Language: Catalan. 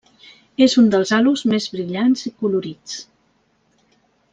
És un dels halos més brillants i colorits.